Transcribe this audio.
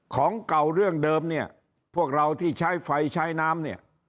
ของเก่าเรื่องเดิมพวกเราที่ใช้ไฟใช้น้ำ